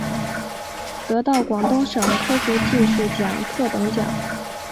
得到广东省科学技术奖特等奖。